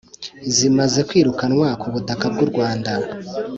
zimaze kwirukamywe ku butaka bw'u rwanda,